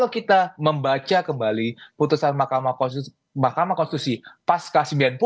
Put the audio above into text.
kita membaca kembali putusan mahkamah konstitusi pas k sembilan puluh